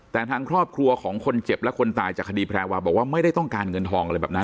แต่ทางครอบครัวของคนเจ็บและคนตายจากคดีแพรวาบอกว่าไม่ได้ต้องการเงินทองอะไรแบบนั้น